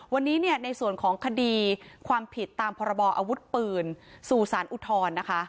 วันนี้ในส่วนของคดีความผิดตามพระบออาวุธปืนสู่ศาลอุทธอน